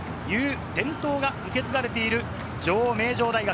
伝統が受け継がれている女王・名城大学。